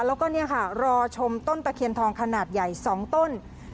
แล้วก็เนี่ยค่ะรอชมต้นตะเคียนทองขนาดใหญ่๒ต้น